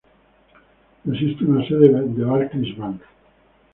Existe una sede de "Barclays Bank".